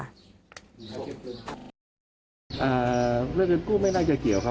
อ่าเรื่องของเกิดกู้ไม่แน่ใจเกี่ยวครับ